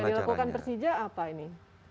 yang dilakukan persija apa ini